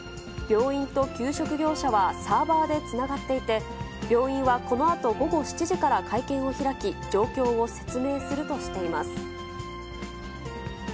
病院と給食業者はサーバーでつながっていて、病院はこのあと午後７時から会見を開き、状況を説明するとしています。